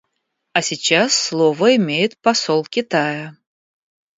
А сейчас слово имеет посол Китая.